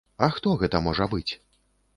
А хто гэта можа быць?